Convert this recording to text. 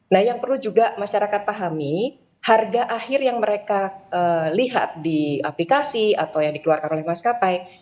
nah yang perlu juga masyarakat pahami harga akhir yang mereka lihat di aplikasi atau yang dikeluarkan oleh maskapai